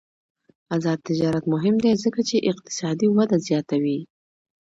آزاد تجارت مهم دی ځکه چې اقتصادي وده زیاتوي.